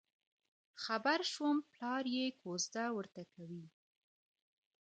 خبر شوم پلار یې کوزده ورته کوي.